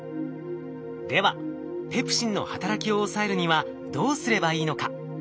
ではペプシンの働きを抑えるにはどうすればいいのか。